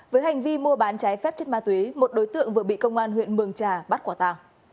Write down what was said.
với hành vi mua bán trái phép chất ma túy một đối tượng vừa bị công an huyện mường trà bắt quả tàng